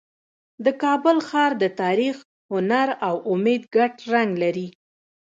د کابل ښار د تاریخ، هنر او امید ګډ رنګ لري.